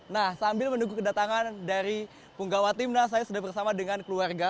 nah sambil menunggu kedatangan dari penggawa timna saya sudah bersama dengan keluarga